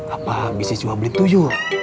apa bisa jual beli tuju